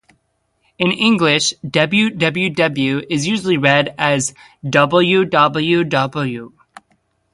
In English, "www" is usually read as "double-u double-u double-u".